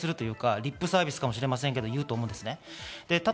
リップサービスかもしれませんけど言うと思うんです。